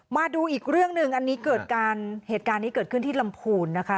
มาดูอีกเรื่องหนึ่งอันนี้เกิดการเหตุการณ์นี้เกิดขึ้นที่ลำพูนนะคะ